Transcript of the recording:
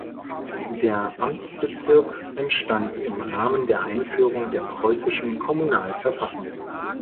Der Amtsbezirk entstand im Rahmen der Einführung der preußischen Kommunalverfassung.